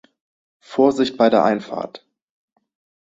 Vorsicht bei der Einfahrt!